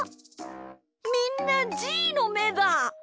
みんなじーのめだ！